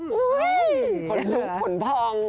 คนลุขุนพรอง